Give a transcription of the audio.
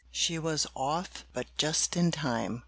She was off but just in time.